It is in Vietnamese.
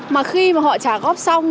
mà khi mà họ trả góp xong